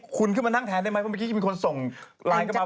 คุณขึ้นมานั่งแทนได้ไหมเพราะเมื่อกี้จะมีคนส่งไลน์เข้ามา